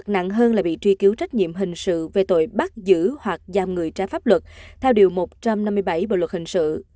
nặng hơn là bị truy cứu trách nhiệm hình sự về tội bắt giữ hoặc giam người trái pháp luật theo điều một trăm năm mươi bảy bộ luật hình sự